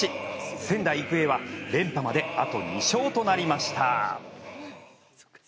仙台育英は連覇まであと２勝となりました。